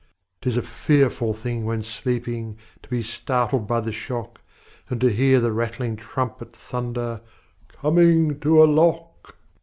'Tis a fearful thing when sleeping To be startled by the shock, And to hear the rattling trumpet Thunder, "Coming to a lock!"